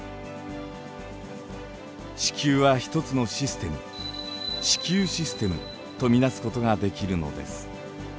地球は一つのシステム地球システムと見なすことができるのです。